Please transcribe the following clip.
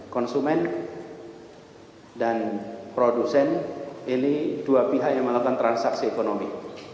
konsumen dan produsen ini dua pihak yang melakukan transaksi ekonomi